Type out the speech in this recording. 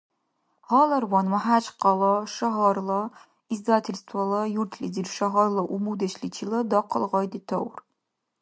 Гьаларван МяхӀячкъала шагьарла издательствола юртлизир шагьарла умудешличила дахъал гъай детаур.